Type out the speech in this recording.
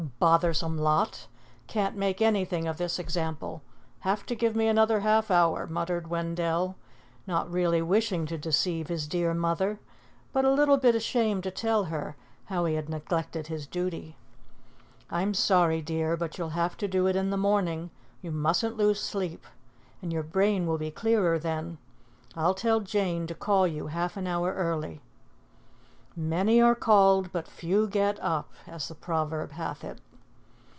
Bothersome lot! Can't make anything of this example have to give me another half hour," muttered Wendell, not really wishing to deceive his dear mother, but a little bit ashamed to tell her how he had neglected his duty. "I'm sorry, dear, but you'll have to do it in the morning. You mustn't lose sleep. And your brain will be clearer then. I'll tell Jane to call you half an hour early." "Many are called, but few get up," as the proverb hath it.